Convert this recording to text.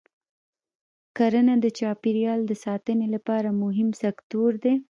کرنه د چاپېریال د ساتنې لپاره مهم سکتور دی.